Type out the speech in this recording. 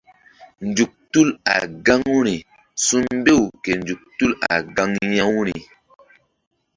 Nzuk tul a gaŋuri su̧mbew ke nzuk tul a gaŋ ya-uri.